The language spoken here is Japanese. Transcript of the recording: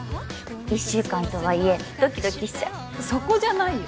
１週間とはいえドキドキしちゃうそこじゃないよ